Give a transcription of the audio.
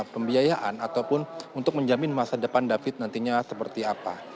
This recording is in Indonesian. pembiayaan ataupun untuk menjamin masa depan david nantinya seperti apa